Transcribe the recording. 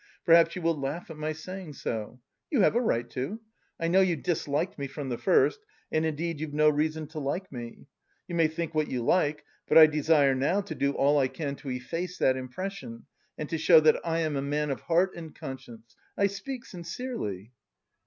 Perhaps you will laugh at my saying so. You have a right to. I know you disliked me from the first and indeed you've no reason to like me. You may think what you like, but I desire now to do all I can to efface that impression and to show that I am a man of heart and conscience. I speak sincerely."